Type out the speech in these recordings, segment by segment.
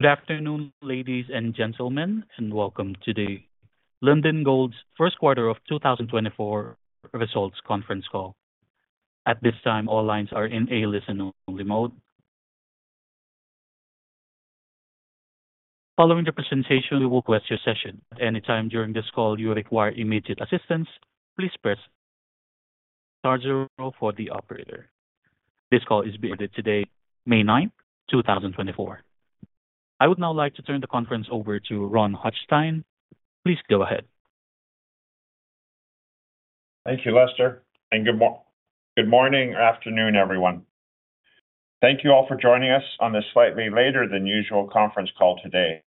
Good afternoon, ladies and gentlemen, and welcome to Lundin Gold's first quarter of 2024 results conference call. At this time, all lines are in a listen-only mode. Following the presentation, we will open the question session. At any time during this call if you require immediate assistance, please press star zero for the operator. This call is being recorded today, May 9, 2024. I would now like to turn the conference over to Ron Hochstein. Please go ahead. Thank you, Lester, and good morning or afternoon, everyone. Thank you all for joining us on this slightly later-than-usual conference call today,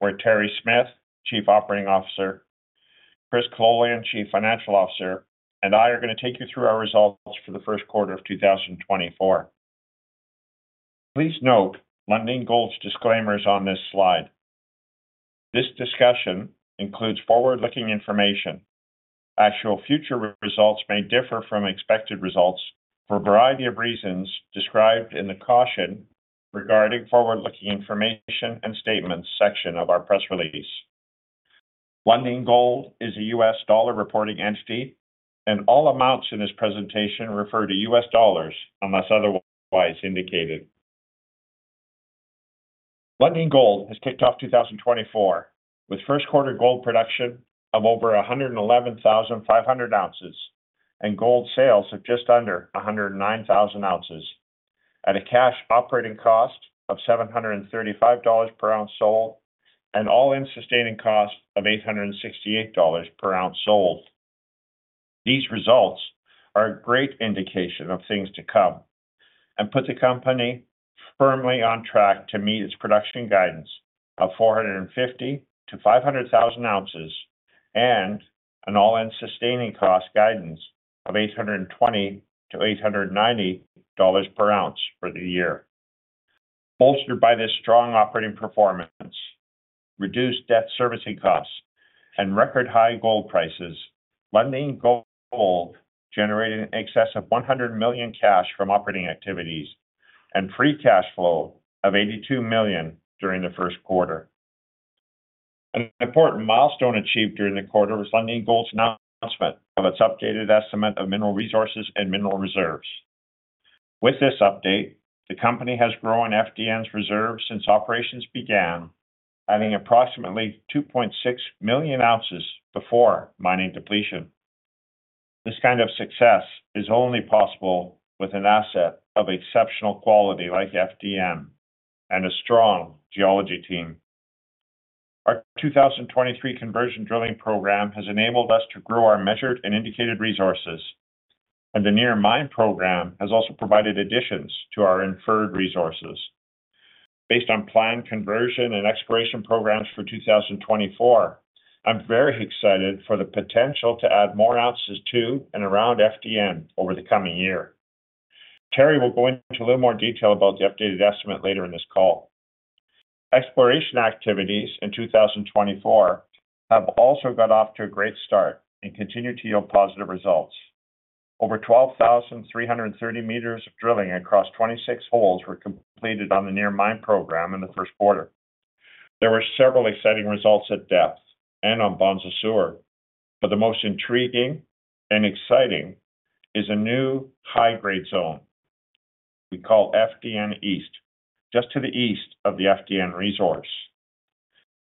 where Terry Smith, Chief Operating Officer, Chris Kololian, Chief Financial Officer, and I are going to take you through our results for the first quarter of 2024. Please note Lundin Gold's disclaimers on this slide. This discussion includes forward-looking information. Actual future results may differ from expected results for a variety of reasons described in the caution regarding forward-looking information and statements section of our press release. Lundin Gold is a U.S. dollar reporting entity, and all amounts in this presentation refer to U.S. dollars unless otherwise indicated. Lundin Gold has kicked off 2024 with first quarter gold production of over 111,500oz and gold sales of just under 109,000 oz, at a cash operating cost of $735 per ounce sold and all-in sustaining cost of $868 per ounce sold. These results are a great indication of things to come and put the company firmly on track to meet its production guidance of 450,000-500,000 oz and an all-in sustaining cost guidance of $820-$890 per ounce for the year. Bolstered by this strong operating performance, reduced debt servicing costs, and record-high gold prices, Lundin Gold generated an excess of $100 million cash from operating activities and free cash flow of $82 million during the first quarter. An important milestone achieved during the quarter was Lundin Gold's announcement of its updated estimate of mineral resources and mineral reserves. With this update, the company has grown FDN's reserves since operations began, adding approximately 2.6 Moz before mining depletion. This kind of success is only possible with an asset of exceptional quality like FDN and a strong geology team. Our 2023 conversion drilling program has enabled us to grow our measured and indicated resources, and the near-mine program has also provided additions to our inferred resources. Based on planned conversion and exploration programs for 2024, I'm very excited for the potential to add more ounces to and around FDN over the coming year. Terry will go into a little more detail about the updated estimate later in this call. Exploration activities in 2024 have also got off to a great start and continue to yield positive results. Over 12,330 meters of drilling across 26 holes were completed on the near-mine program in the first quarter. There were several exciting results at depth and on Bonza Sur, but the most intriguing and exciting is a new high-grade zone we call FDN East, just to the east of the FDN resource.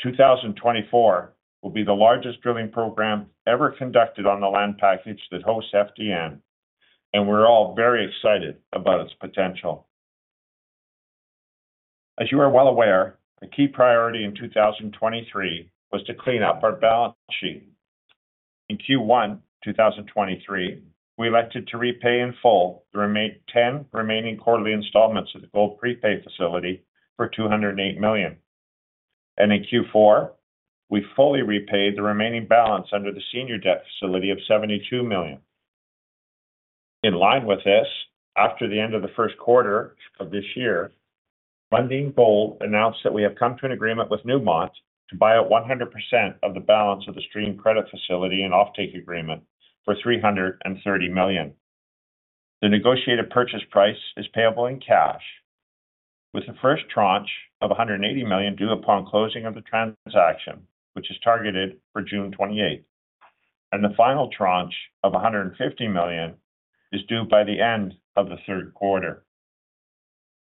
2024 will be the largest drilling program ever conducted on the land package that hosts FDN, and we're all very excited about its potential. As you are well aware, a key priority in 2023 was to clean up our balance sheet. In Q1 2023, we elected to repay in full the remaining 10 quarterly installments of the Gold Prepay Facility for $208 million, and in Q4, we fully repaid the remaining balance under the Senior Debt Facility of $72 million. In line with this, after the end of the first quarter of this year, Lundin Gold announced that we have come to an agreement with Newmont to buy out 100% of the balance of the Stream Credit Facility and offtake agreement for $330 million. The negotiated purchase price is payable in cash, with the first tranche of $180 million due upon closing of the transaction, which is targeted for June 28, and the final tranche of $150 million is due by the end of the third quarter.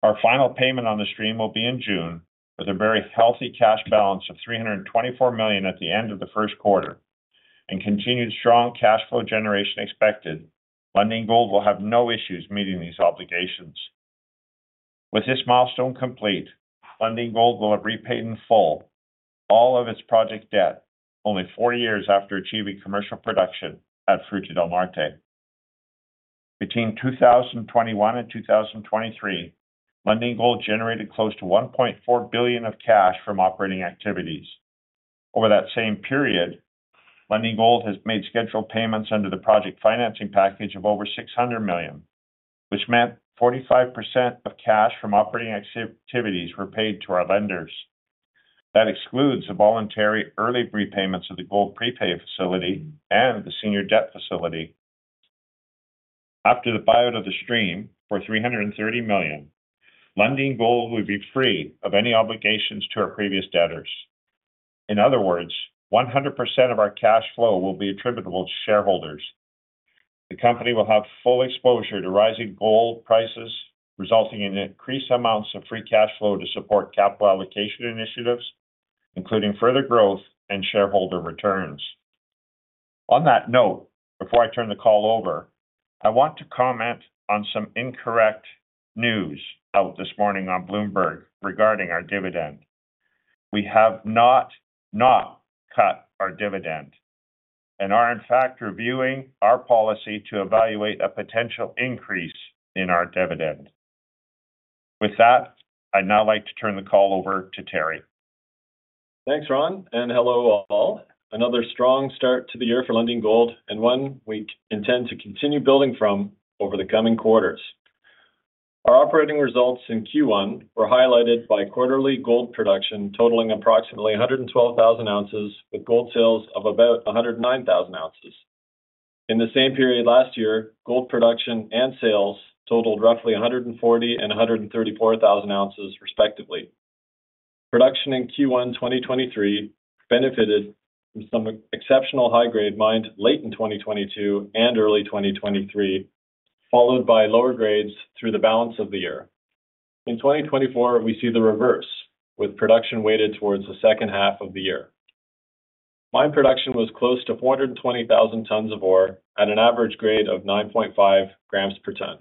Our final payment on the stream will be in June, with a very healthy cash balance of $324 million at the end of the first quarter, and continued strong cash flow generation expected. Lundin Gold will have no issues meeting these obligations. With this milestone complete, Lundin Gold will have repaid in full all of its project debt, only four years after achieving commercial production at Fruta del Norte. Between 2021 and 2023, Lundin Gold generated close to $1.4 billion of cash from operating activities. Over that same period, Lundin Gold has made scheduled payments under the project financing package of over $600 million, which meant 45% of cash from operating activities were paid to our lenders. That excludes the voluntary early repayments of the Gold Prepay Facility and the Senior Debt Facility. After the buyout of the stream for $330 million, Lundin Gold will be free of any obligations to our previous debtors. In other words, 100% of our cash flow will be attributable to shareholders. The company will have full exposure to rising gold prices, resulting in increased amounts of free cash flow to support capital allocation initiatives, including further growth and shareholder returns. On that note, before I turn the call over, I want to comment on some incorrect news out this morning on Bloomberg regarding our dividend. We have not, not cut our dividend and are, in fact, reviewing our policy to evaluate a potential increase in our dividend. With that, I'd now like to turn the call over to Terry. Thanks, Ron, and hello all. Another strong start to the year for Lundin Gold, and one we intend to continue building from over the coming quarters. Our operating results in Q1 were highlighted by quarterly gold production totaling approximately 112,000 oz, with gold sales of about 109,000 oz. In the same period last year, gold production and sales totaled roughly 140,000 and 134,000 oz, respectively. Production in Q1 2023 benefited from some exceptional high-grade mined late in 2022 and early 2023, followed by lower grades through the balance of the year. In 2024, we see the reverse, with production weighted towards the second half of the year. Mine production was close to 420,000 tons of ore at an average grade of 9.5 grams per ton.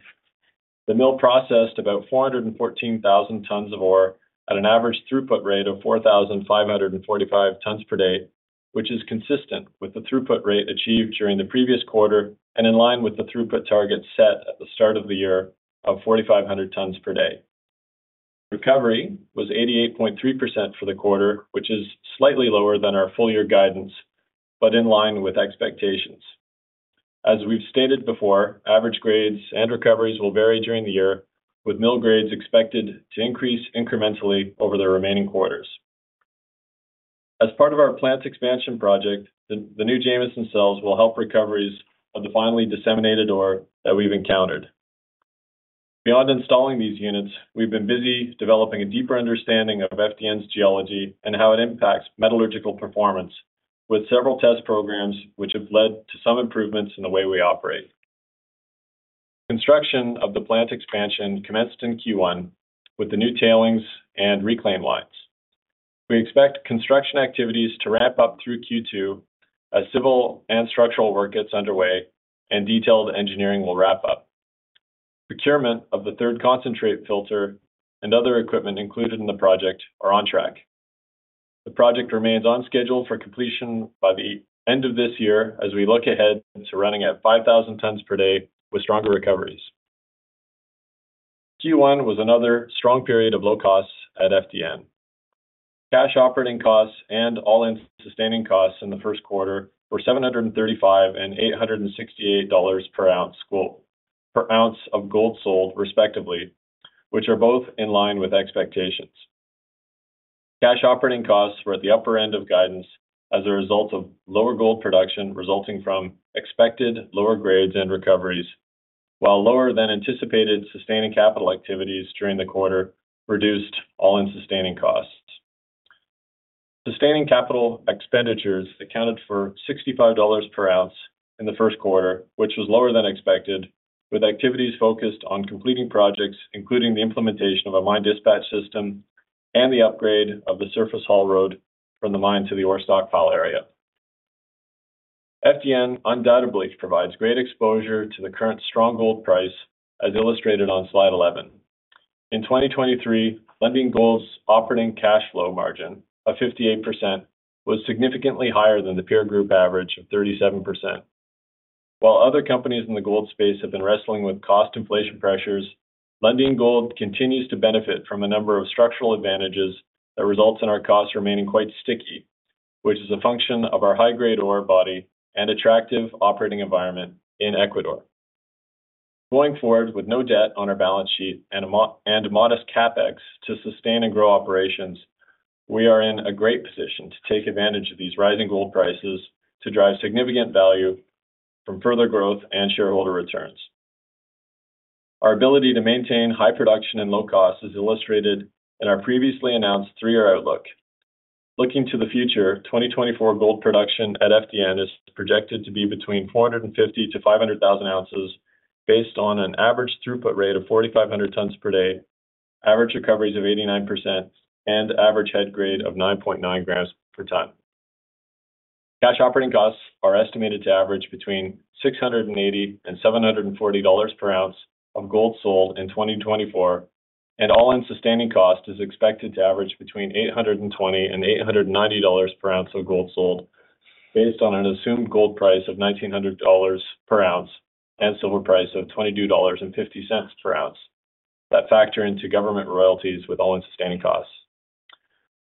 The mill processed about 414,000 tons of ore at an average throughput rate of 4,545 tons per day, which is consistent with the throughput rate achieved during the previous quarter and in line with the throughput target set at the start of the year of 4,500 tons per day. Recovery was 88.3% for the quarter, which is slightly lower than our full-year guidance but in line with expectations. As we've stated before, average grades and recoveries will vary during the year, with mill grades expected to increase incrementally over the remaining quarters. As part of our plant expansion project, the new Jameson cells will help recoveries of the finely disseminated ore that we've encountered. Beyond installing these units, we've been busy developing a deeper understanding of FDN's geology and how it impacts metallurgical performance, with several test programs which have led to some improvements in the way we operate. Construction of the plant expansion commenced in Q1 with the new tailings and reclaim lines. We expect construction activities to ramp up through Q2 as civil and structural work gets underway and detailed engineering will wrap up. Procurement of the third concentrate filter and other equipment included in the project are on track. The project remains on schedule for completion by the end of this year as we look ahead to running at 5,000 tons per day with stronger recoveries. Q1 was another strong period of low costs at FDN. Cash operating costs and all-in sustaining costs in the first quarter were $735 and $868 per ounce of gold sold, respectively, which are both in line with expectations. Cash operating costs were at the upper end of guidance as a result of lower gold production resulting from expected lower grades and recoveries, while lower-than-anticipated sustaining capital activities during the quarter reduced all-in sustaining costs. Sustaining capital expenditures accounted for $65 per ounce in the first quarter, which was lower than expected, with activities focused on completing projects including the implementation of a mine dispatch system and the upgrade of the surface haul road from the mine to the ore stockpile area. FDN undoubtedly provides great exposure to the current strong gold price, as illustrated on slide 11. In 2023, Lundin Gold's operating cash flow margin of 58% was significantly higher than the peer group average of 37%. While other companies in the gold space have been wrestling with cost inflation pressures, Lundin Gold continues to benefit from a number of structural advantages that results in our costs remaining quite sticky, which is a function of our high-grade ore body and attractive operating environment in Ecuador. Going forward with no debt on our balance sheet and modest CapEx to sustain and grow operations, we are in a great position to take advantage of these rising gold prices to drive significant value from further growth and shareholder returns. Our ability to maintain high production and low costs is illustrated in our previously announced three-year outlook. Looking to the future, 2024 gold production at FDN is projected to be between 450,000-500,000 oz based on an average throughput rate of 4,500 tons per day, average recoveries of 89%, and average head grade of 9.9 grams per ton. Cash operating costs are estimated to average between $680 and $740 per ounce of gold sold in 2024, and all-in sustaining cost is expected to average between $820 and $890 per ounce of gold sold based on an assumed gold price of $1,900 per ounce and silver price of $22.50 per ounce that factor into government royalties with all-in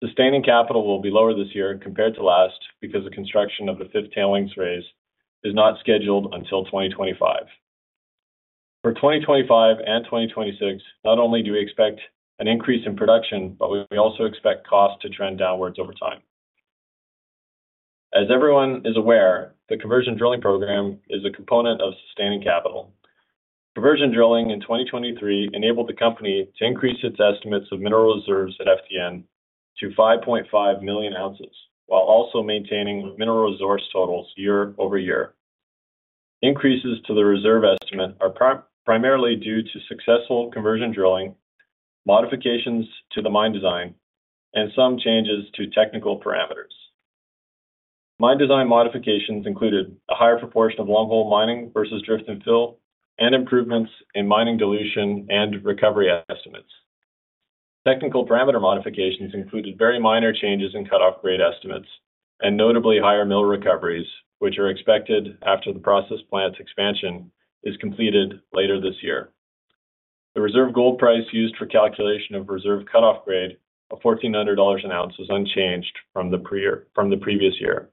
sustaining costs. Sustaining capital will be lower this year compared to last because the construction of the fifth tailings raise is not scheduled until 2025. For 2025 and 2026, not only do we expect an increase in production, but we also expect costs to trend downwards over time. As everyone is aware, the conversion drilling program is a component of sustaining capital. Conversion drilling in 2023 enabled the company to increase its estimates of mineral reserves at FDN to 5.5 million oz while also maintaining mineral resource totals year-over-year. Increases to the reserve estimate are primarily due to successful conversion drilling, modifications to the mine design, and some changes to technical parameters. Mine design modifications included a higher proportion of long-hole mining versus drift and fill, and improvements in mining dilution and recovery estimates. Technical parameter modifications included very minor changes in cutoff grade estimates and notably higher mill recoveries, which are expected after the process plant's expansion is completed later this year. The reserve gold price used for calculation of reserve cutoff grade of $1,400 an ounce was unchanged from the previous year.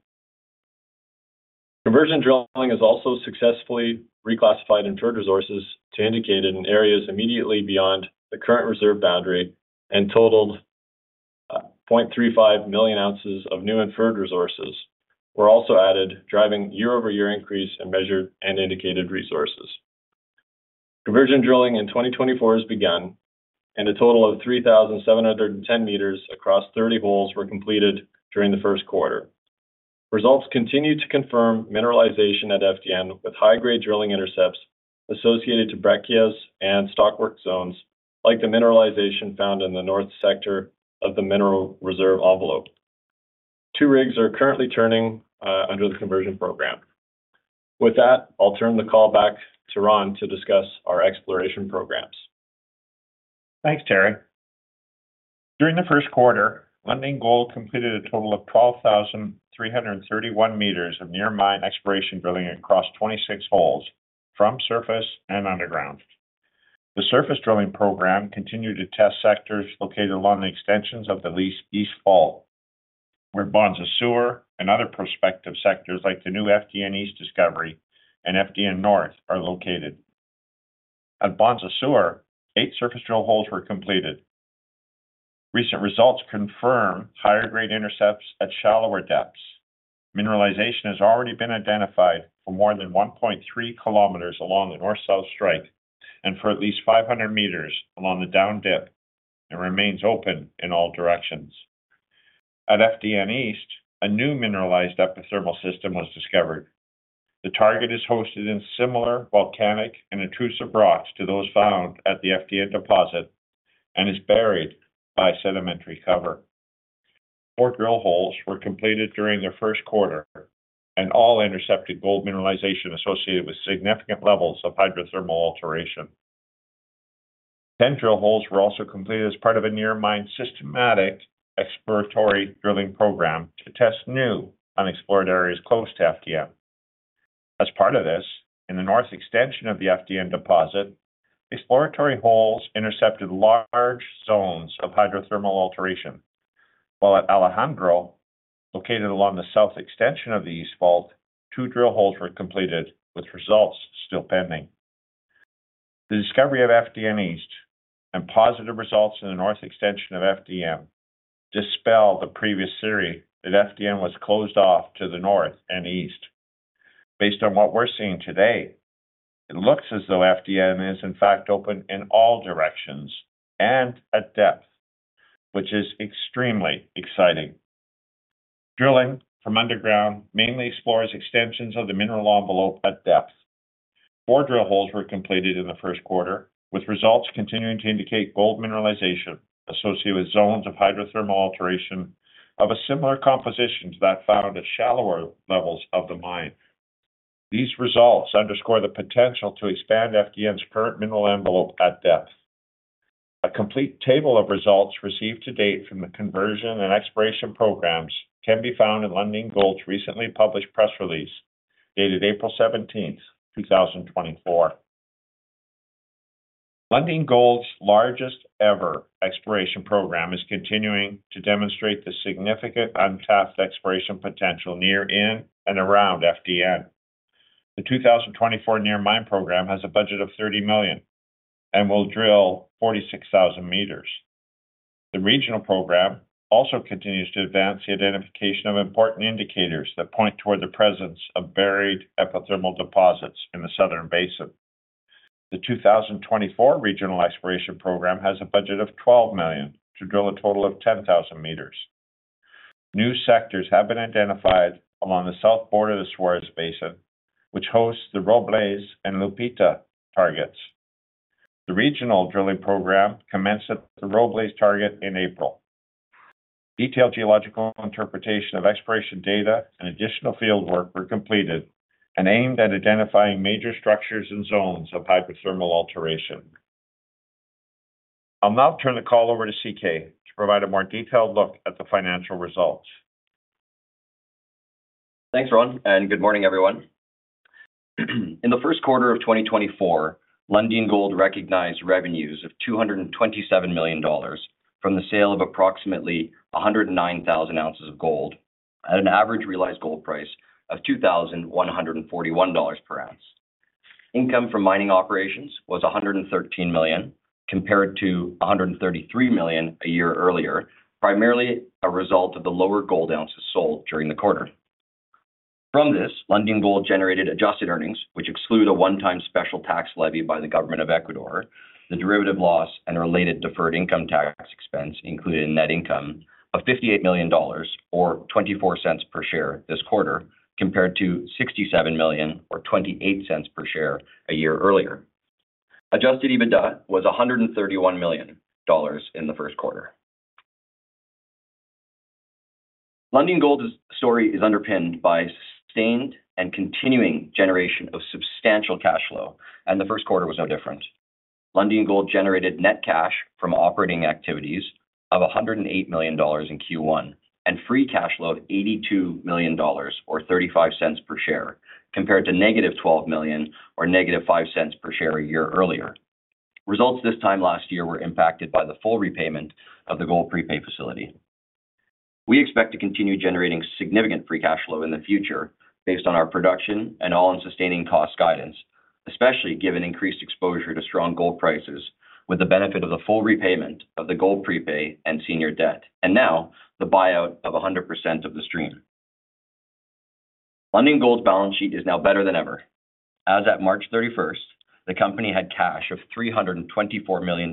Conversion drilling has also successfully reclassified inferred resources to indicated in areas immediately beyond the current reserve boundary and totaled 0.35 Moz of new inferred resources were also added, driving year-over-year increase in measured and indicated resources. Conversion drilling in 2024 has begun, and a total of 3,710 meters across 30 holes were completed during the first quarter. Results continue to confirm mineralization at FDN with high-grade drilling intercepts associated to breccias and stockwork zones like the mineralization found in the north sector of the mineral reserve envelope. Two rigs are currently turning under the conversion program. With that, I'll turn the call back to Ron to discuss our exploration programs. Thanks, Terry. During the first quarter, Lundin Gold completed a total of 12,331 meters of near-mine exploration drilling across 26 holes from surface and underground. The surface drilling program continued to test sectors located along the extensions of the East fault, where Bonza Sur and other prospective sectors like the new FDN East Discovery and FDN North are located. At Bonza Sur, eight surface drill holes were completed. Recent results confirm higher-grade intercepts at shallower depths. Mineralization has already been identified for more than 1.3 kilometers along the north-south strike and for at least 500 meters along the down dip and remains open in all directions. At FDN East, a new mineralized epithermal system was discovered. The target is hosted in similar volcanic and intrusive rocks to those found at the FDN deposit and is buried by sedimentary cover. four drill holes were completed during the first quarter and all intercepted gold mineralization associated with significant levels of hydrothermal alteration. 10 drill holes were also completed as part of a near-mine systematic exploratory drilling program to test new unexplored areas close to FDN. As part of this, in the north extension of the FDN deposit, exploratory holes intercepted large zones of hydrothermal alteration, while at Alejandro, located along the south extension of the East fault, two drill holes were completed, with results still pending. The discovery of FDN East and positive results in the north extension of FDN dispel the previous theory that FDN was closed off to the north and east. Based on what we're seeing today, it looks as though FDN is, in fact, open in all directions and at depth, which is extremely exciting. Drilling from underground mainly explores extensions of the mineral envelope at depth. Four drill holes were completed in the first quarter, with results continuing to indicate gold mineralization associated with zones of hydrothermal alteration of a similar composition to that found at shallower levels of the mine. These results underscore the potential to expand FDN's current mineral envelope at depth. A complete table of results received to date from the conversion and exploration programs can be found in Lundin Gold's recently published press release dated April 17, 2024. Lundin Gold's largest-ever exploration program is continuing to demonstrate the significant untapped exploration potential near in and around FDN. The 2024 near-mine program has a budget of $30 million and will drill 46,000 meters. The regional program also continues to advance the identification of important indicators that point toward the presence of buried epithermal deposits in the southern basin. The 2024 regional exploration program has a budget of $12 million to drill a total of 10,000 meters. New sectors have been identified along the south border of the Suárez Basin, which hosts the Robles and Lupita targets. The regional drilling program commenced at the Robles target in April. Detailed geological interpretation of exploration data and additional fieldwork were completed and aimed at identifying major structures and zones of hydrothermal alteration. I'll now turn the call over to C.K. to provide a more detailed look at the financial results. Thanks, Ron, and good morning, everyone. In the first quarter of 2024, Lundin Gold recognized revenues of $227 million from the sale of approximately 109,000 oz of gold at an average realized gold price of $2,141 per ounce. Income from mining operations was $113 million compared to $133 million a year earlier, primarily a result of the lower gold ounces sold during the quarter. From this, Lundin Gold generated adjusted earnings, which exclude a one-time special tax levy by the Government of Ecuador, the derivative loss, and related deferred income tax expense included in net income of $58 million or $0.24 per share this quarter compared to $67 million or $0.28 per share a year earlier. Adjusted EBITDA was $131 million in the first quarter. Lundin Gold's story is underpinned by sustained and continuing generation of substantial cash flow, and the first quarter was no different. Lundin Gold generated net cash from operating activities of $108 million in Q1 and free cash flow of $82 million or $0.35 per share compared to -$12 million or -$0.05 per share a year earlier. Results this time last year were impacted by the full repayment of the Gold Prepay Facility. We expect to continue generating significant free cash flow in the future based on our production and All-in Sustaining Costs guidance, especially given increased exposure to strong gold prices with the benefit of the full repayment of the Gold Prepay and Senior Debt Facility, and now the buyout of 100% of the stream. Lundin Gold's balance sheet is now better than ever. As at March 31, the company had cash of $324 million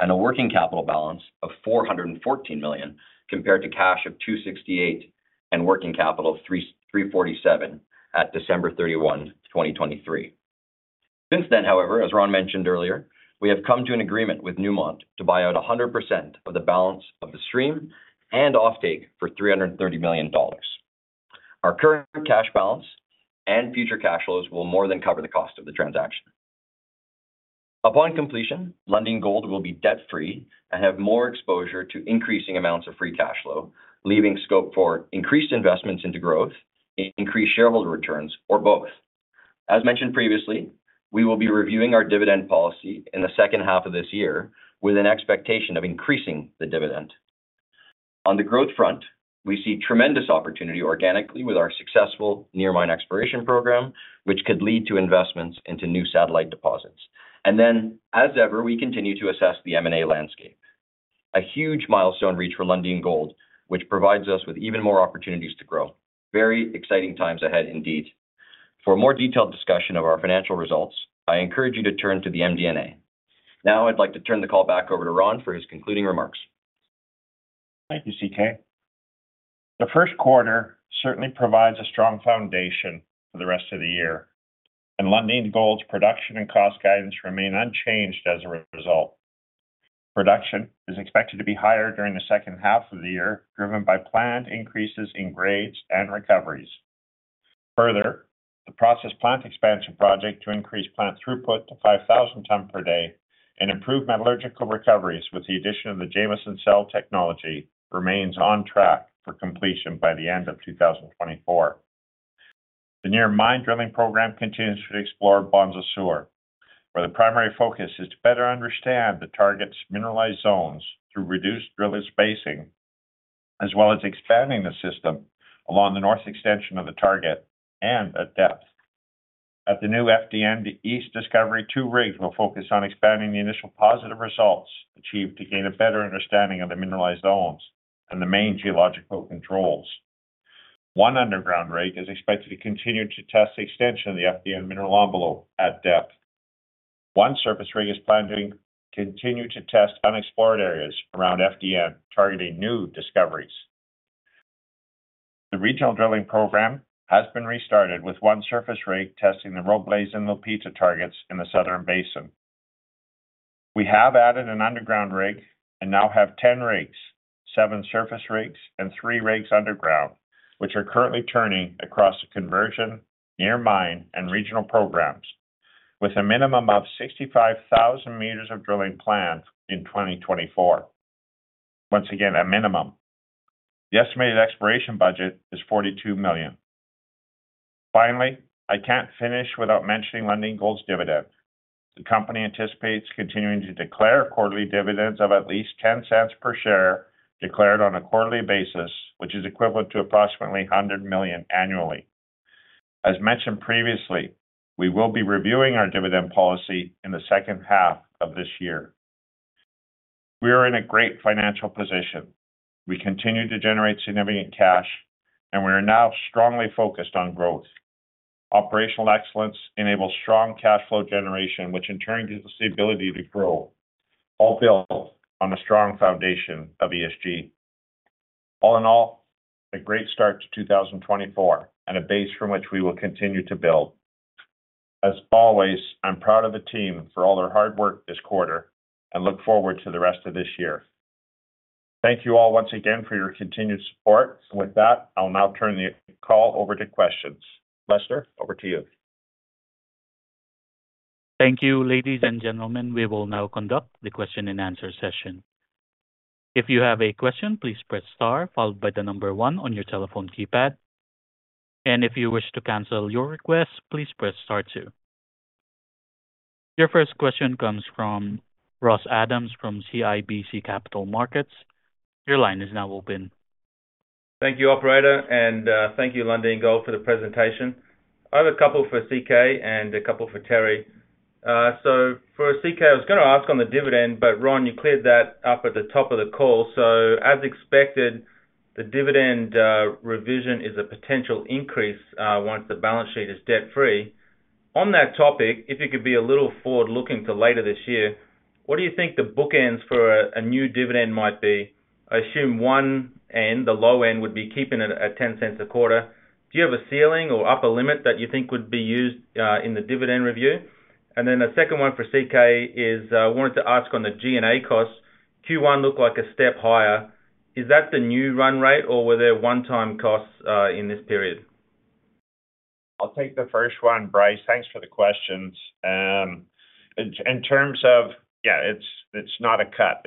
and a working capital balance of $414 million compared to cash of $268 million and working capital of $347 million at December 31, 2023. Since then, however, as Ron mentioned earlier, we have come to an agreement with Newmont to buyout 100% of the balance of the stream and offtake for $330 million. Our current cash balance and future cash flows will more than cover the cost of the transaction. Upon completion, Lundin Gold will be debt-free and have more exposure to increasing amounts of free cash flow, leaving scope for increased investments into growth, increased shareholder returns, or both. As mentioned previously, we will be reviewing our dividend policy in the second half of this year with an expectation of increasing the dividend. On the growth front, we see tremendous opportunity organically with our successful near-mine exploration program, which could lead to investments into new satellite deposits. And then, as ever, we continue to assess the M&A landscape. A huge milestone reached for Lundin Gold, which provides us with even more opportunities to grow. Very exciting times ahead, indeed. For a more detailed discussion of our financial results, I encourage you to turn to the MD&A. Now, I'd like to turn the call back over to Ron for his concluding remarks. Thank you, C.K. The first quarter certainly provides a strong foundation for the rest of the year, and Lundin Gold's production and cost guidance remain unchanged as a result. Production is expected to be higher during the second half of the year, driven by planned increases in grades and recoveries. Further, the process plant expansion project to increase plant throughput to 5,000 tonnes per day and improve metallurgical recoveries with the addition of the Jameson Cell technology remains on track for completion by the end of 2024. The near-mine drilling program continues to explore Bonza Sur, where the primary focus is to better understand the target's mineralized zones through reduced drill spacing, as well as expanding the system along the north extension of the target and at depth. At the new FDN East Discovery II rig, we'll focus on expanding the initial positive results achieved to gain a better understanding of the mineralized zones and the main geological controls. One underground rig is expected to continue to test the extension of the FDN mineral envelope at depth. One surface rig is planned to continue to test unexplored areas around FDN, targeting new discoveries. The regional drilling program has been restarted with one surface rig testing the Robles and Lupita targets in the southern basin. We have added an underground rig and now have 10 rigs, seven surface rigs, and three rigs underground, which are currently turning across the conversion, near-mine, and regional programs, with a minimum of 65,000 meters of drilling planned in 2024. Once again, a minimum. The estimated exploration budget is $42 million. Finally, I can't finish without mentioning Lundin Gold's dividend. The company anticipates continuing to declare quarterly dividends of at least $0.10 per share declared on a quarterly basis, which is equivalent to approximately $100 million annually. As mentioned previously, we will be reviewing our dividend policy in the second half of this year. We are in a great financial position. We continue to generate significant cash, and we are now strongly focused on growth. Operational excellence enables strong cash flow generation, which in turn gives us the ability to grow, all built on a strong foundation of ESG. All in all, a great start to 2024 and a base from which we will continue to build. As always, I'm proud of the team for all their hard work this quarter and look forward to the rest of this year. Thank you all once again for your continued support, and with that, I'll now turn the call over to questions. Lester, over to you. Thank you, ladies and gentlemen. We will now conduct the question-and-answer session. If you have a question, please press star followed by the number one on your telephone keypad, and if you wish to cancel your request, please press star too. Your first question comes from Bryce Adams from CIBC Capital Markets. Your line is now open. Thank you, Operator, and thank you, Lundin Gold, for the presentation. I have a couple for C.K. and a couple for Terry. So, for C.K., I was going to ask on the dividend, but Ron, you cleared that up at the top of the call. So, as expected, the dividend revision is a potential increase once the balance sheet is debt-free. On that topic, if you could be a little forward-looking to later this year, what do you think the bookends for a new dividend might be? I assume one end, the low end, would be keeping it at $0.10 a quarter. Do you have a ceiling or upper limit that you think would be used in the dividend review? And then a second one for C.K. is I wanted to ask on the G&A costs. Q1 looked like a step higher. Is that the new run rate, or were there one-time costs in this period? I'll take the first one, Bryce. Thanks for the questions. In terms of, yeah, it's not a cut.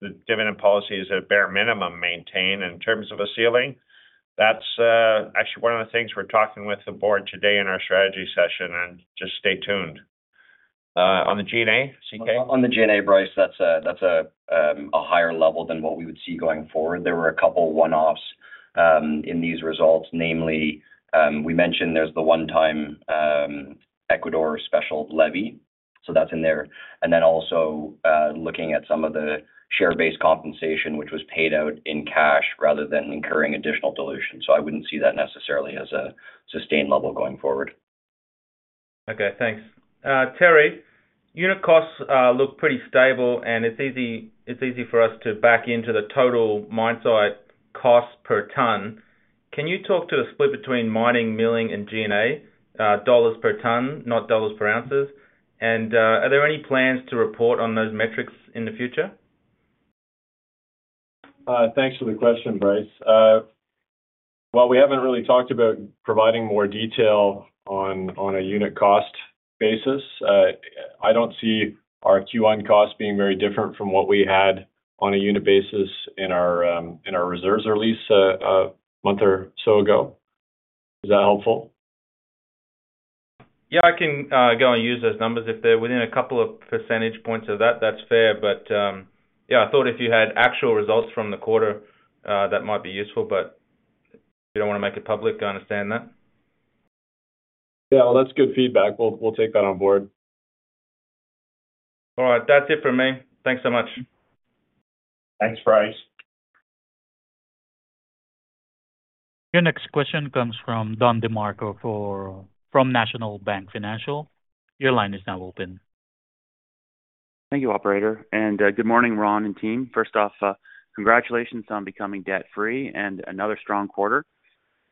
The dividend policy is at a bare minimum maintained. And in terms of a ceiling, that's actually one of the things we're talking with the board today in our strategy session, and just stay tuned. On the G&A, C.K.? On the G&A, Bryce, that's a higher level than what we would see going forward. There were a couple one-offs in these results, namely, we mentioned there's the one-time Ecuador special levy, so that's in there. And then also looking at some of the share-based compensation, which was paid out in cash rather than incurring additional dilution. So I wouldn't see that necessarily as a sustained level going forward. Okay, thanks. Terry, unit costs look pretty stable, and it's easy for us to back into the total mine site costs per tonne. Can you talk to the split between mining, milling, and G&A dollars per tonne, not dollar per ounces? And are there any plans to report on those metrics in the future? Thanks for the question, Bryce. While we haven't really talked about providing more detail on a unit cost basis, I don't see our Q1 costs being very different from what we had on a unit basis in our reserves release a month or so ago. Is that helpful? Yeah, I can go and use those numbers if they're within a couple of percentage points of that. That's fair. But yeah, I thought if you had actual results from the quarter, that might be useful, but if you don't want to make it public, I understand that. Yeah, well, that's good feedback. We'll take that on board. All right, that's it from me. Thanks so much. Thanks, Brace. Your next question comes from Don DeMarco from National Bank Financial. Your line is now open. Thank you, Operator. Good morning, Ron and team. First off, congratulations on becoming debt-free and another strong quarter.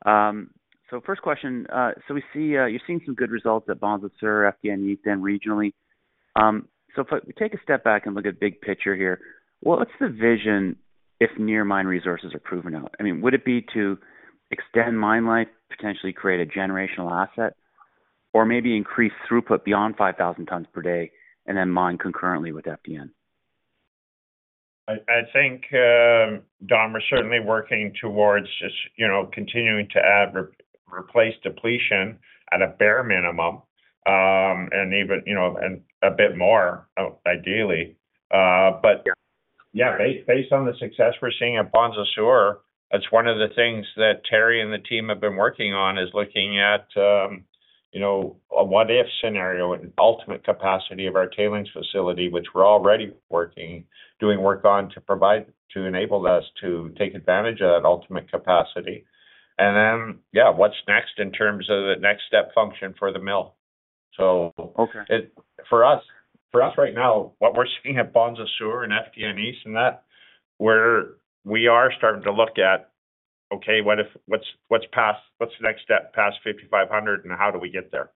First question, so we see you're seeing some good results at Bonza Sur, FDN East, and regionally. So if we take a step back and look at big picture here, what's the vision if near-mine resources are proven out? I mean, would it be to extend mine life, potentially create a generational asset, or maybe increase throughput beyond 5,000 tons per day and then mine concurrently with FDN? I think Don was certainly working towards just continuing to add replace depletion at a bare minimum and even a bit more, ideally. But yeah, based on the success we're seeing at Bonza Sur, that's one of the things that Terry and the team have been working on is looking at a what-if scenario. Ultimate capacity of our tailings facility, which we're already working, doing work on to enable us to take advantage of that ultimate capacity. And then, yeah, what's next in terms of the next step function for the mill? So for us right now, what we're seeing at Bonza Sur and FDN East and that, where we are starting to look at, okay, what's the next step past 5,500, and how do we get there?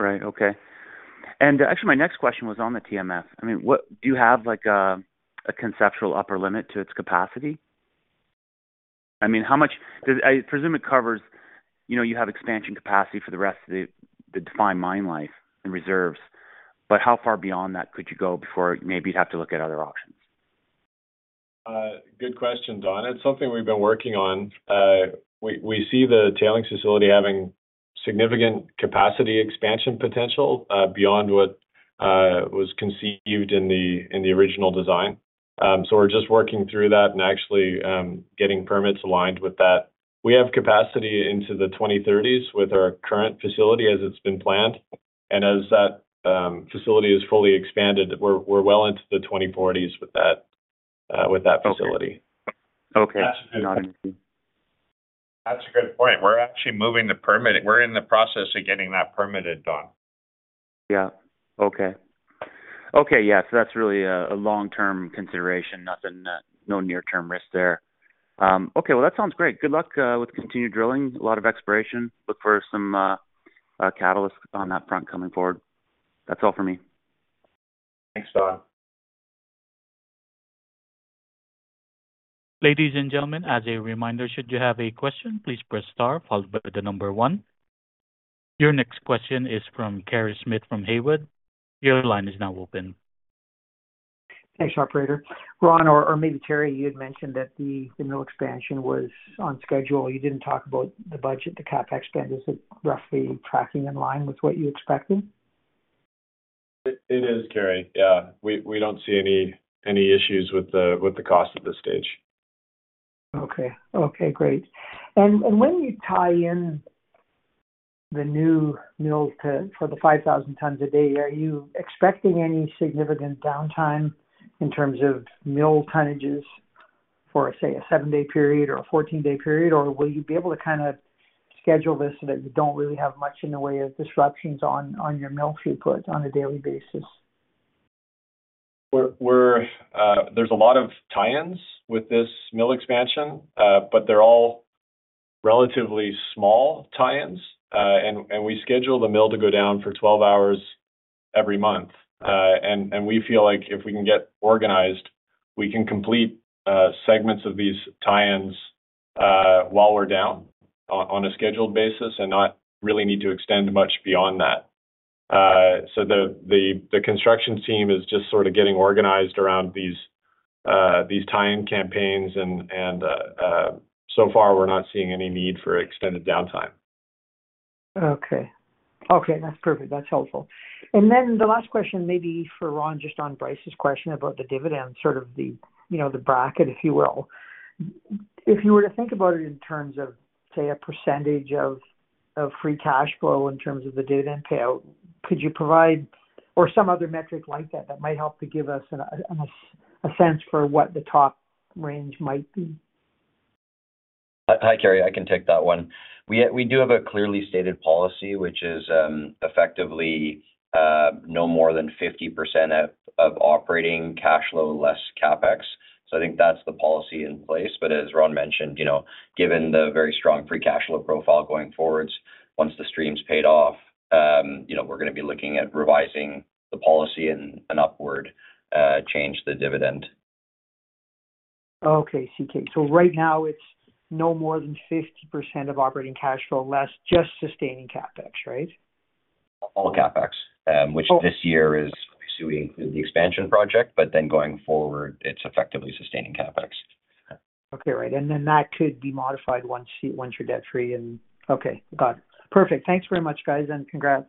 Right, okay. And actually, my next question was on the TMF. I mean, do you have a conceptual upper limit to its capacity? I mean, how much do I presume it covers? You have expansion capacity for the rest of the defined mine life and reserves, but how far beyond that could you go before maybe you'd have to look at other options? Good question, Don. It's something we've been working on. We see the tailings facility having significant capacity expansion potential beyond what was conceived in the original design. So we're just working through that and actually getting permits aligned with that. We have capacity into the 2030s with our current facility as it's been planned. And as that facility is fully expanded, we're well into the 2040s with that facility. Okay. That's a good point. That's a good point. We're actually moving the permit. We're in the process of getting that permitted, Don. Yeah, okay. Okay, yeah, so that's really a long-term consideration, no near-term risk there. Okay, well, that sounds great. Good luck with continued drilling. A lot of exploration. Look for some catalysts on that front coming forward. That's all from me. Thanks, Don. Ladies and gentlemen, as a reminder, should you have a question, please press star followed by the number one. Your next question is from Kerry Smith from Haywood. Your line is now open. Thanks, Operator. Ron, or maybe Terry, you had mentioned that the mill expansion was on schedule. You didn't talk about the budget, the CapEx spend. Is it roughly tracking in line with what you expected? It is, Kerry. Yeah, we don't see any issues with the cost at this stage. Okay. Okay, great. And when you tie in the new mills for the 5,000 tonnes a day, are you expecting any significant downtime in terms of mill tonnages for, say, a seven day period or a 14-day period, or will you be able to kind of schedule this so that you don't really have much in the way of disruptions on your mill throughput on a daily basis? There's a lot of tie-ins with this mill expansion, but they're all relatively small tie-ins. We schedule the mill to go down for 12 hours every month. We feel like if we can get organized, we can complete segments of these tie-ins while we're down on a scheduled basis and not really need to extend much beyond that. The construction team is just sort of getting organized around these tie-in campaigns. So far, we're not seeing any need for extended downtime. Okay. Okay, that's perfect. That's helpful. And then the last question, maybe for Ron, just on Bryce's question about the dividend, sort of the bracket, if you will. If you were to think about it in terms of, say, a percentage of free cash flow in terms of the dividend payout, could you provide or some other metric like that that might help to give us a sense for what the top range might be? Hi, Kerry. I can take that one. We do have a clearly stated policy, which is effectively no more than 50% of operating cash flow less CapEx. I think that's the policy in place. But as Ron mentioned, given the very strong free cash flow profile going forwards, once the stream's paid off, we're going to be looking at revising the policy and upward change the dividend. Okay, C.K. So right now, it's no more than 50% of operating cash flow less, just sustaining CapEx, right? All CapEx, which this year is obviously we include the expansion project, but then going forward, it's effectively sustaining CapEx. Okay, right. And then that could be modified once you're debt-free and okay, got it. Perfect. Thanks very much, guys, and congrats.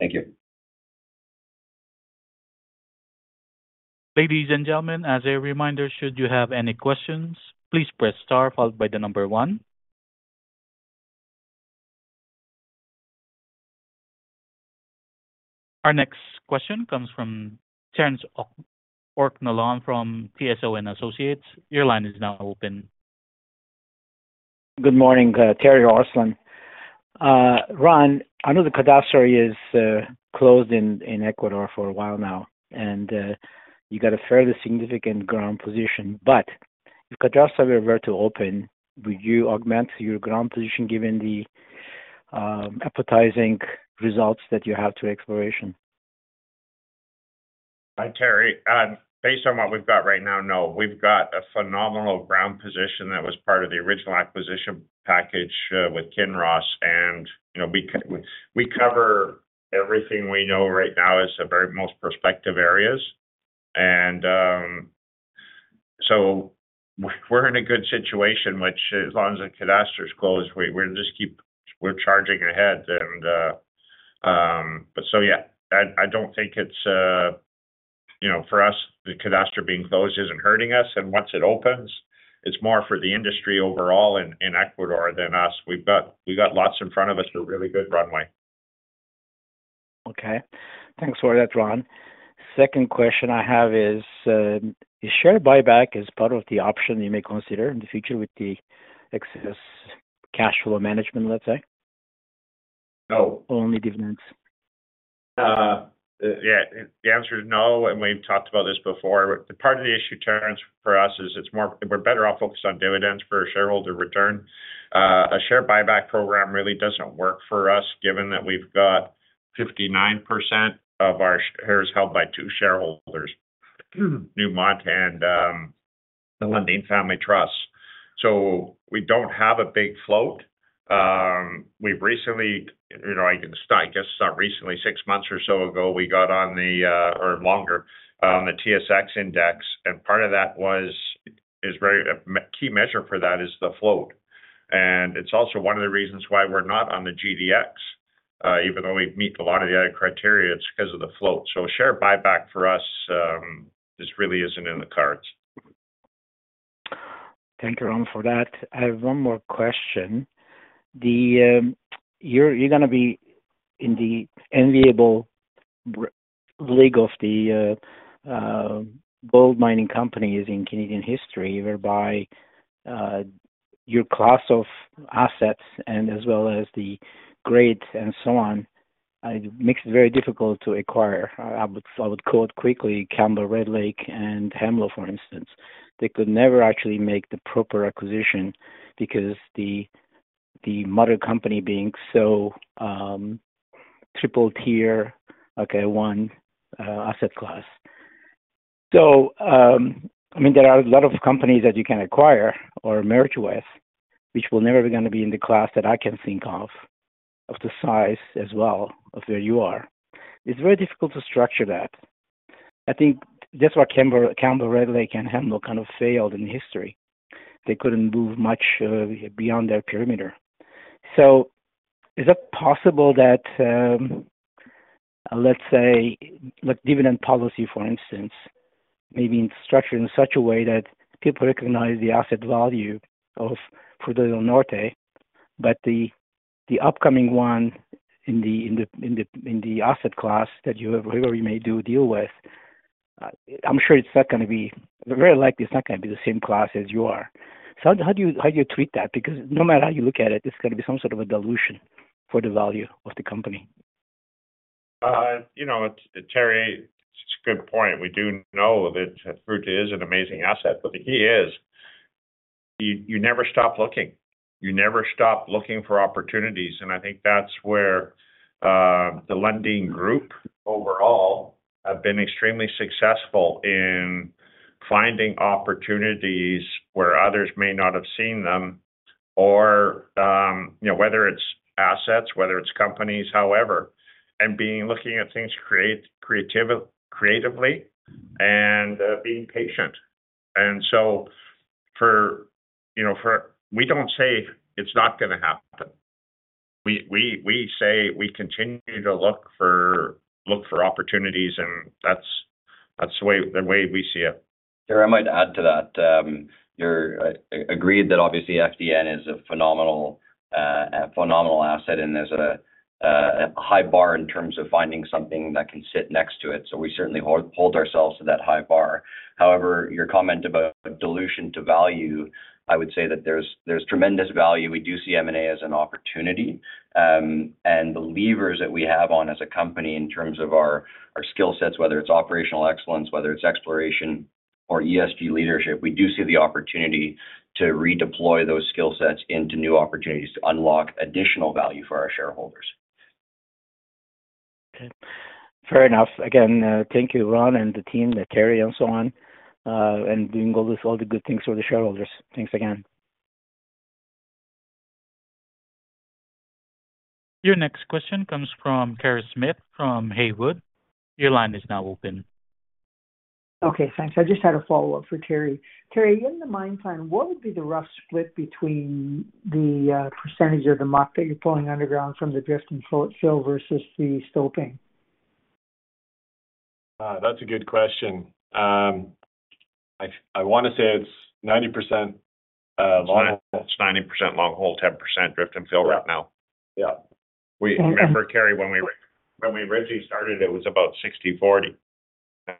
Thank you. Ladies and gentlemen, as a reminder, should you have any questions, please press star followed by the number one. Our next question comes from Terence Ortslan from TSO & Associates. Your line is now open. Good morning, Terence Ortslan. Ron, I know the Cadastre is closed in Ecuador for a while now, and you got a fairly significant ground position. But if Cadastre were to open, would you augment your ground position given the appetizing results that you have to exploration? Hi, Terry. Based on what we've got right now, no. We've got a phenomenal ground position that was part of the original acquisition package with Kinross. We cover everything we know right now as the very most prospective areas. So we're in a good situation, which as long as the Cadastre's closed, we're going to just keep charging ahead. So yeah, I don't think it's for us, the Cadastre being closed isn't hurting us. Once it opens, it's more for the industry overall in Ecuador than us. We've got lots in front of us, a really good runway. Okay. Thanks for that, Ron. Second question I have is, is share buyback as part of the option you may consider in the future with the excess cash flow management, let's say? No. Only dividends? Yeah, the answer is no. We've talked about this before. Part of the issue, Terence, for us is we're better off focused on dividends for a shareholder return. A share buyback program really doesn't work for us given that we've got 59% of our shares held by two shareholders, Newmont and Lundin Family Trust. We don't have a big float. We've recently I guess it's not recently, six months or so ago, we got on the or longer, on the TSX index. Part of that was a key measure for that is the float. It's also one of the reasons why we're not on the GDX. Even though we meet a lot of the other criteria, it's because of the float. Share buyback for us, this really isn't in the cards. Thank you, Ron, for that. I have one more question. You're going to be in the enviable league of the gold mining companies in Canadian history, whereby your class of assets and as well as the grades and so on, it makes it very difficult to acquire. I would quote quickly Campbell Red Lake and Hemlo, for instance. They could never actually make the proper acquisition because the mother company being so triple-tier, okay, one asset class. So I mean, there are a lot of companies that you can acquire or merge with, which will never be going to be in the class that I can think of, of the size as well of where you are. It's very difficult to structure that. I think that's why Campbell Red Lake and Hemlo kind of failed in history. They couldn't move much beyond their perimeter. So is it possible that, let's say, dividend policy, for instance, maybe structured in such a way that people recognize the asset value of Fruta del Norte, but the upcoming one in the asset class that you may deal with, I'm sure it's not going to be very likely it's not going to be the same class as you are. So how do you treat that? Because no matter how you look at it, it's going to be some sort of a dilution for the value of the company. Terry, it's a good point. We do know that Fruta is an amazing asset, but the key is you never stop looking. You never stop looking for opportunities. And I think that's where the Lundin Group overall have been extremely successful in finding opportunities where others may not have seen them, whether it's assets, whether it's companies, however, and being looking at things creatively and being patient. And so we don't say it's not going to happen. We say we continue to look for opportunities, and that's the way we see it. Terry, I might add to that. You agreed that obviously, FDN is a phenomenal asset, and there's a high bar in terms of finding something that can sit next to it. So we certainly hold ourselves to that high bar. However, your comment about dilution to value, I would say that there's tremendous value. We do see M&A as an opportunity. And the levers that we have on as a company in terms of our skill sets, whether it's operational excellence, whether it's exploration, or ESG leadership, we do see the opportunity to redeploy those skill sets into new opportunities to unlock additional value for our shareholders. Okay. Fair enough. Again, thank you, Ron and the team, Terry, and so on, and doing all the good things for the shareholders. Thanks again. Your next question comes from Kerry Smith from Haywood. Your line is now open. Okay, thanks. I just had a follow-up for Terry. Terry, in the mine plan, what would be the rough split between the percentage of the muck that you're pulling underground from the drift and fill versus the stoping? That's a good question. I want to say it's 90% long-hole. It's 90% long hole, 10% drift and fill right now. Yeah. We remember, Kerry, when we originally started, it was about 60/40.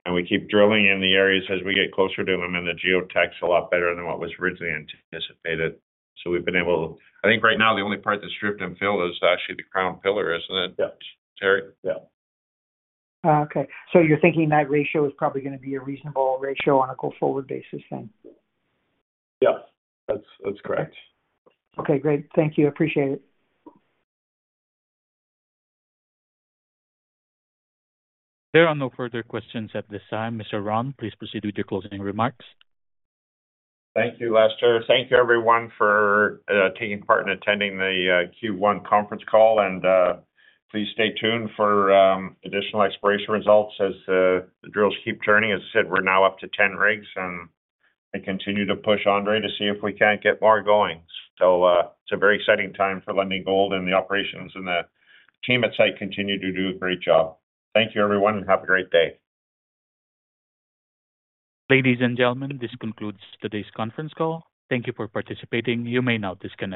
And we keep drilling in the areas as we get closer to them, and the geotech's a lot better than what was originally anticipated. So we've been able to, I think right now, the only part that's drift and fill is actually the crown pillar, isn't it, Terry? Yeah. Okay. So you're thinking that ratio is probably going to be a reasonable ratio on a go-forward basis then? Yes, that's correct. Okay. Great. Thank you. Appreciate it. There are no further questions at this time. Mr. Ron, please proceed with your closing remarks. Thank you, Lester. Thank you, everyone, for taking part in attending the Q1 conference call. Please stay tuned for additional exploration results as the drills keep turning. As I said, we're now up to 10 rigs. I continue to push Andre to see if we can't get more going. It's a very exciting time for Lundin Gold and the operations and the team at site continue to do a great job. Thank you, everyone, and have a great day. Ladies and gentlemen, this concludes today's conference call. Thank you for participating. You may now disconnect.